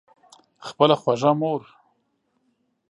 خپله خوږه مور